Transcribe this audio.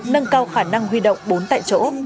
nâng cao khả năng huy động bốn tại chỗ